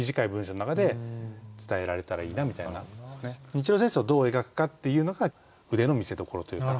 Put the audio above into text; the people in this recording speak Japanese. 日露戦争をどう描くかっていうのが腕の見せどころというか。